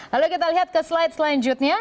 lalu kita lihat ke slide selanjutnya